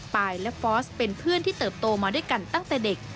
ปายและฟอสเป็นเพื่อนที่เติบโตมาด้วยกันตั้งแต่เด็ก